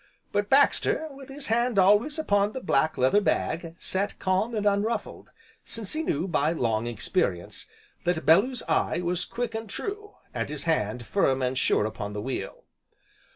But Baxter, with his hand always upon the black leather bag, sat calm and unruffled, since he knew, by long experience, that Bellew's eye was quick and true, and his hand firm and sure upon the wheel.